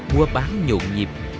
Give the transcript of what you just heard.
mua bán nhộn nhịp